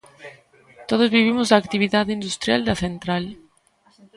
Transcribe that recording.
Todos vivimos da actividade industrial da central.